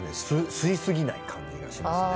吸いすぎない感じがしますね。